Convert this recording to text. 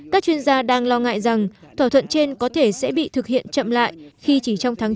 các chuyên gia đang lo ngại rằng thỏa thuận trên có thể sẽ bị thực hiện chậm lại khi chỉ trong tháng bốn